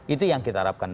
itu yang kita harapkan